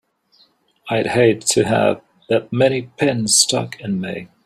I'd hate to have that many pins stuck in me!